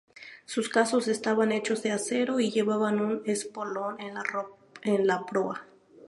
Sus cascos estaban hechos de acero y llevaban un espolón en la proa.